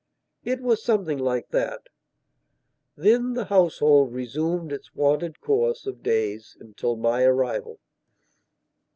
It was something like that. Then that household resumed its wonted course of days until my arrival.